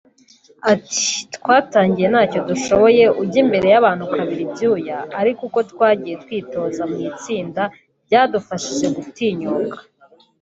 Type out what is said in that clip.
Ati “Twatangiye ntacyo dushoboye ujya imbere y’abantu ukabira ibyuya ariko uko twagiye twitoza mu itsinda byadufashije gutinyuka